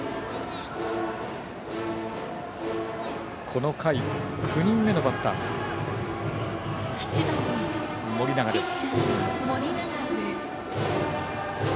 この回、９人目のバッターの盛永です。